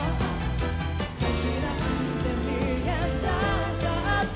「先なんて見えなかった」